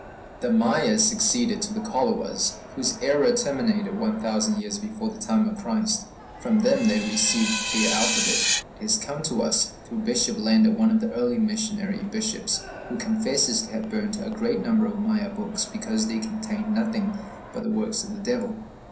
The Mayas succeeded to the Colhuas, whose era terminated one thousand years before the time of Christ; from them they received their alphabet. It has come to us through Bishop Landa, one of the early missionary bishops, who confesses to having burnt a great number of Maya books because they contained nothing but the works of the devil.